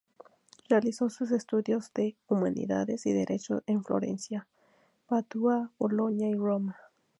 Realizó sus estudios de humanidades y derecho en Florencia, Padua, Bolonia y Roma.